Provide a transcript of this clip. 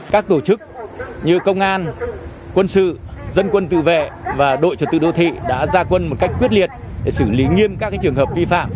các tổ chức như công an quân sự dân quân tự vệ và đội trật tự đô thị đã ra quân một cách quyết liệt để xử lý nghiêm các trường hợp vi phạm